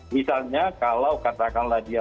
misalnya kalau katakanlah dia